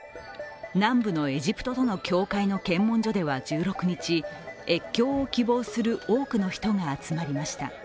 南部のエジプトとの境界の検問所では１６日、越境を希望する多くの人が集まりました。